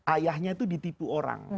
ayahnya itu ditipu orang